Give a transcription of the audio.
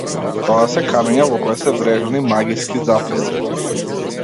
Тоа се камења во кои се врежани магиски записи.